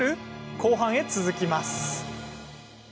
後半へ続きます。